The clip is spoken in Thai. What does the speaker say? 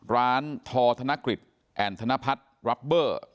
ร้านทธนกฤษแอนด์ธนพัฒน์รับเบอร์